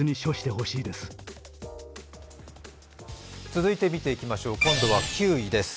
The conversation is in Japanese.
続いて見ていきましょう今度は９位です。